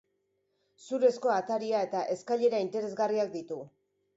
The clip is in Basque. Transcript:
Zurezko ataria eta eskailera interesgarriak ditu.